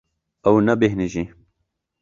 Ew nebêhnijî.